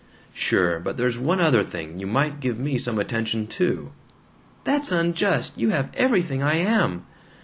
"Sure. But there's one other thing. You might give me some attention, too!" "That's unjust! You have everything I am!"